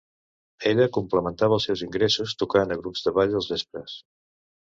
Ella complementava els seus ingressos tocant a grups de ball als vespres.